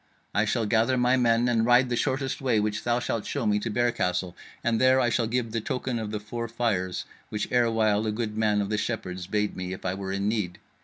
I shall gather my men, and ride the shortest way, which thou shalt show me, to Bear Castle, and there I shall give the token of the four fires which erewhile a good man of the Shepherds bade me if I were in need.